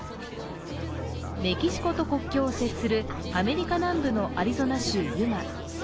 メキシコと国境を接するアメリカ南部のアリゾナ州ユマ。